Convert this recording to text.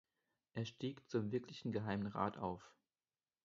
Er stieg zum wirklichen Geheimen Rat auf.